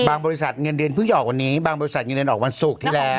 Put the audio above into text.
บริษัทเงินเดือนเพิ่งออกวันนี้บางบริษัทเงินเดือนออกวันศุกร์ที่แล้ว